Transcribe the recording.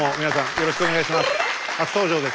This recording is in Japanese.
よろしくお願いします。